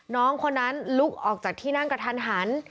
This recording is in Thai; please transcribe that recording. น้องคนนั้นลุกออกจากที่นั่งกระทันหัน